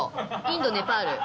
インドネパール。